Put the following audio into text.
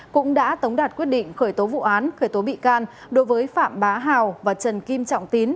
cũng đã tống đạt quyết định khởi tố vụ án khởi tố bị can đối với phạm bá hào và trần kim trọng tín